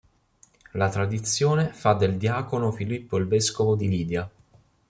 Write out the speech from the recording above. La tradizione fa del diacono Filippo il vescovo di Lidia.